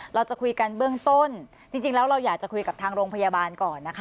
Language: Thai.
เราจะคุยกันเบื้องต้นจริงแล้วเราอยากจะคุยกับทางโรงพยาบาลก่อนนะคะ